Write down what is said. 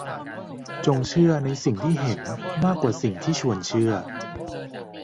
จงเชื่อในสิ่งที่เห็นมากกว่าสิ่งที่ชวนเชื่อ